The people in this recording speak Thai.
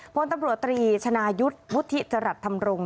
พลตำรวจตรีชนายุทธ์วุฒิจรัสธรรมรงค์